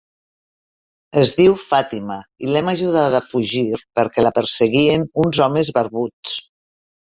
Es diu Fàtima i l'hem ajudada a fugir perquè la perseguien uns homes barbuts.